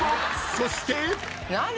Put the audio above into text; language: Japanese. そして。